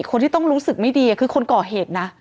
คนที่ต้องรู้สึกไม่ดีคือคนก่อเหตุนะ